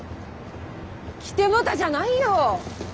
来てもうたじゃないよ！